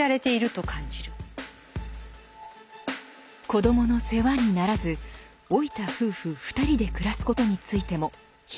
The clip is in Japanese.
子どもの世話にならず老いた夫婦２人で暮らすことについても否定的です。